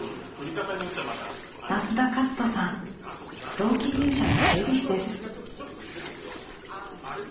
同期入社の整備士です。